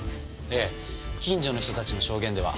ええ近所の人たちの証言では。